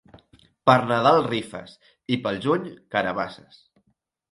Per Nadal, rifes, i pel juny, carabasses.